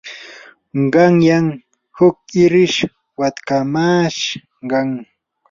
qanyan huk irish watkamashqam.